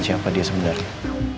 siapa dia sebenarnya